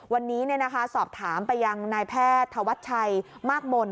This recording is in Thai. วันนี้สอบถามไปยังนายแพทย์ธวัชชัยมากมนต